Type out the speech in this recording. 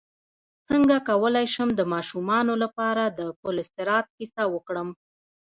څنګه کولی شم د ماشومانو لپاره د پل صراط کیسه وکړم